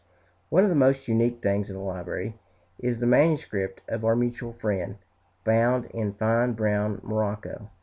One of the most unique things of the library is the manuscript of "Our Mutual Friend," bound in fine brown morocco.